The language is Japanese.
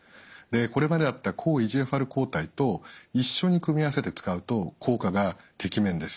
これまであった抗ＥＧＦＲ抗体と一緒に組み合わせて使うと効果がてきめんです。